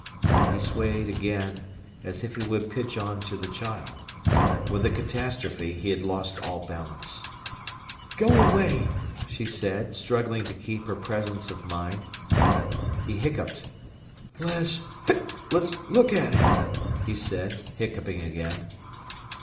He swayed again, as if he would pitch on to the child. With the catastrophe he had lost all balance. "Go away," she said, struggling to keep her presence of mind. He hiccoughed. "Let's—let's look at it," he said, hiccoughing again.